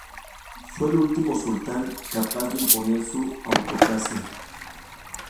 Fue el último sultán capaz de imponer su autocracia.